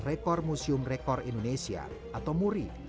rekor museum rekor indonesia atau muri